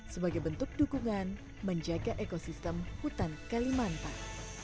sebagai bentuk dukungan menjaga ekosistem hutan kalimantan